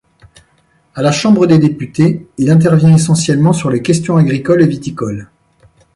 À la Chambre des députés, il intervient essentiellement sur les questions agricoles et viticoles.